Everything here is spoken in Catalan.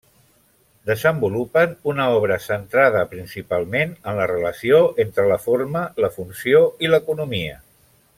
Desenvolupen una obra centrada principalment en la relació entre la forma, la funció i l'economia.